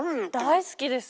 大好きです。